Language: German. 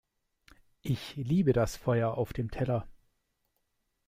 Ich liebe das Feuer auf dem Teller!